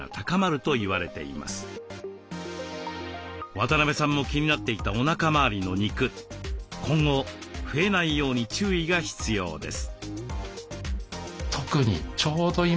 渡邊さんも気になっていたおなかまわりの肉今後増えないように注意が必要です。